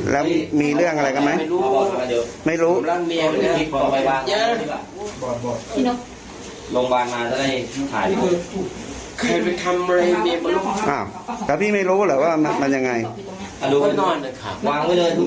ยังไงวางไว้เลยทุกอย่างวางไว้